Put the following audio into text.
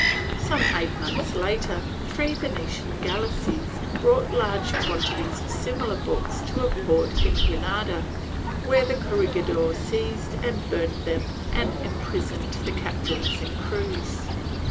Some eight months later, three Venetian galeasses brought large quantities of similar books to a port in Granada, where the corregidor seized and burnt them and impris oned the captains and crews.